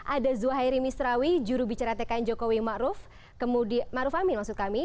ada zuhairi misrawi juru bicara tkn jokowi maruf maruf amin maksud kami